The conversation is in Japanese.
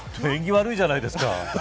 縁起が悪いじゃないですか。